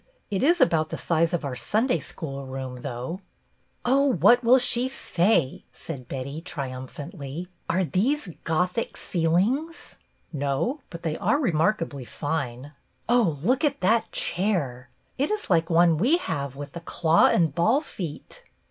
It is about the size of our Sunday School room, though." " Oh, what will she say !" said Betty, tri umphantly. "Are these Gothic ceilings.?" " No, but they are remarkably fine." "Oh, look at that chair! It is like one we have with the claw and ball feet."